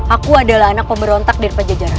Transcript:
aku adalah anak pemberontak daripada jejaran